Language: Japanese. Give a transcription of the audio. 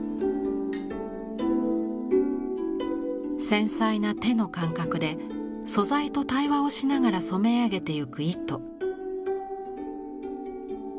繊細な手の感覚で素材と対話をしながら染め上げてゆく糸。